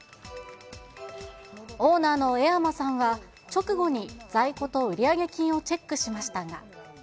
オーナーの恵山さんは、直後に在庫と売上金をチェックしましたが。